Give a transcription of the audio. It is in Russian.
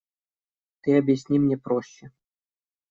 Ты объясни мне проще.